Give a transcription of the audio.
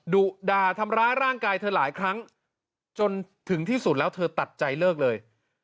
ดุด่าทำร้ายร่างกายเธอหลายครั้งจนถึงที่สุดแล้วเธอตัดใจเลิกเลย